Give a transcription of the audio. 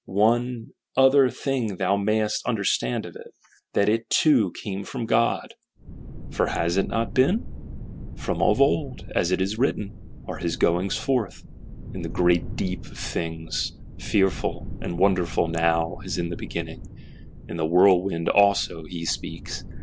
One other thing thou mayest understand of it: that it too came from God; for has it not been? From of old, as it is written, are His goings forth; in the great Deep of things; fearful and wonderful now as in the beginning: in the whirlwind also He speaks!